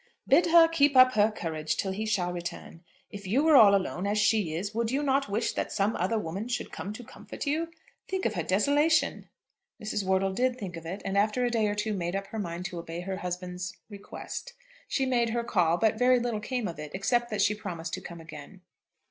"Bid her keep up her courage till he shall return. If you were all alone, as she is, would not you wish that some other woman should come to comfort you? Think of her desolation." Mrs. Wortle did think of it, and after a day or two made up her mind to obey her husband's request. She made her call, but very little came of it, except that she promised to come again.